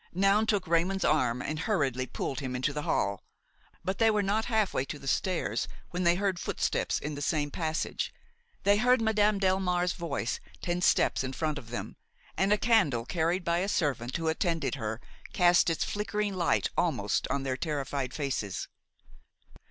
Noun took Raymon's arm and hurriedly pulled him into the hall; but they were not half way to the stairs when they heard footsteps in the same passage; they heard Madame Delmare's voice ten steps in front of them, and a candle carried by a servant who attended her cast its flickering light almost on their terrified faces.